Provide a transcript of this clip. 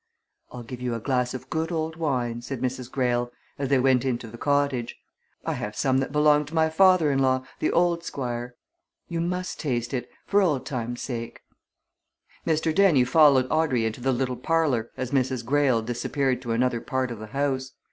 "I'll give you a glass of good old wine," said Mrs. Greyle as they went into the cottage. "I have some that belonged to my father in law, the old Squire. You must taste it for old times' sake." Mr. Dennie followed Audrey into the little parlour as Mrs. Greyle disappeared to another part of the house.